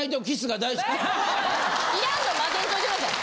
いらんの混ぜんといてください。